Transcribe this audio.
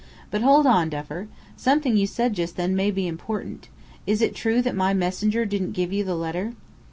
"But hold on, Duffer. Something you said just then may be important. Is it true that my messenger didn't give you the letter?"